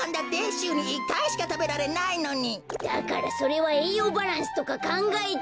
だからそれはえいようバランスとかかんがえて。